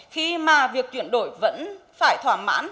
khi mà việc chuyển đổi vẫn phải thỏa mãn